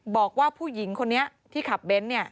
บอกว่าผู้หญิงคนนี้ที่ขับเบนท์